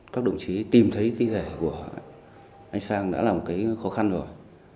các đồng chí tìm thấy tí rẻ của anh sang đã là một cái khó khăn rồi